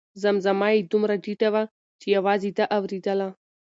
زمزمه یې دومره ټیټه وه چې یوازې ده اورېدله.